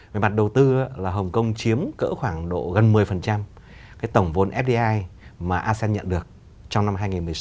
về mặt đầu tư là hồng kông chiếm cỡ khoảng độ gần một mươi tổng vốn fdi mà asean nhận được trong năm hai nghìn một mươi sáu